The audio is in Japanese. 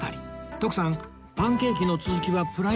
徳さんパンケーキの続きはプライベートで